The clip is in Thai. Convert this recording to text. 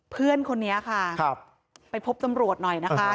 เพื่อนคนนี้ค่ะไปพบตำรวจหน่อยนะคะ